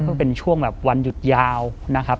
ก็เป็นช่วงแบบวันหยุดยาวนะครับ